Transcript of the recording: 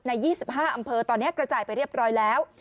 ๒๕อำเภอตอนนี้กระจายไปเรียบร้อยแล้ว